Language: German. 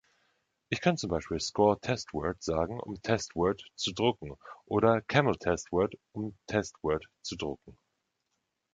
Ich kann z. B. „score test word“ sagen, um „test word“ zu drucken, oder „camel test word“, um „testWord“ zu drucken.